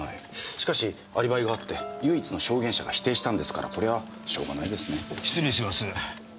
しかしアリバイがあって唯一の証言者が否定したんですからこれはしょうがないですね。失礼します。